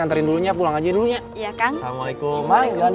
kanterin dulunya pulang aja dulunya ya kang assalamualaikum